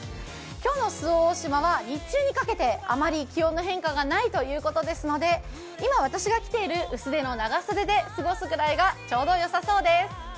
今日の周防大島は日中にかけてあまり気温の変化がないということですので、今私が着ている薄手の長袖で過ごすぐらいがちょうどよさそうです。